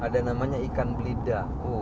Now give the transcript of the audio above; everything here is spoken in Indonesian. ada namanya ikan belida